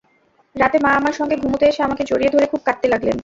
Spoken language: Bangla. রাতে মা আমার সঙ্গে ঘুমুতে এসে আমাকে জড়িয়ে ধরে খুব কাঁদতে লাগলেন।